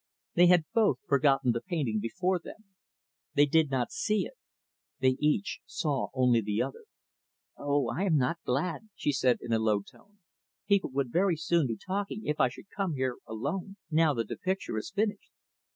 They had both forgotten the painting before them. They did not see it. They each saw only the other. "No, I am not glad," she said in a low tone. "People would very soon be talking if I should come here, alone now that the picture is finished."